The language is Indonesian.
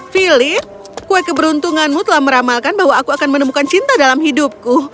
philip kue keberuntunganmu telah meramalkan bahwa aku akan menemukan cinta dalam hidupku